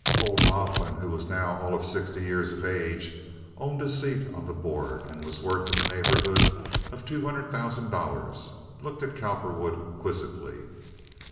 Old Laughlin, who was now all of sixty years of age, owned a seat on the Board, and was worth in the neighborhood of two hundred thousand dollars, looked at Cowperwood quizzically.